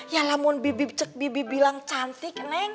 yalah mohon bibi cek bibi bilang cantik neng